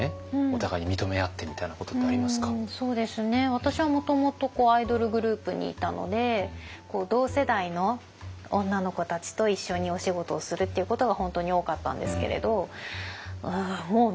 私はもともとアイドルグループにいたので同世代の女の子たちと一緒にお仕事をするっていうことが本当に多かったんですけれどもうみんな尊敬ですね。